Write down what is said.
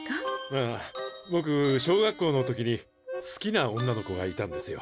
ああぼく小学校の時に好きな女の子がいたんですよ。